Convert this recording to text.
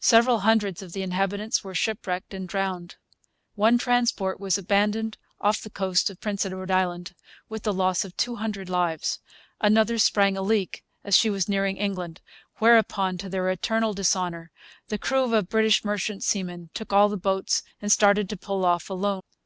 Several hundreds of the inhabitants were shipwrecked and drowned. One transport was abandoned off the coast of Prince Edward Island, with the loss of two hundred lives. Another sprang a leak as she was nearing England; whereupon, to their eternal dishonour, the crew of British merchant seamen took all the boats and started to pull off alone.